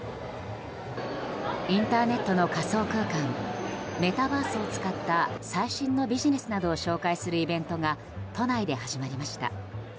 インターネットの仮想空間メタバースを使った最新のビジネスなどを紹介するイベントが都内で始まりました。